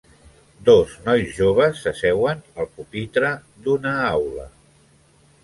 Dos nois joves s'asseuen al pupitre d'una aula.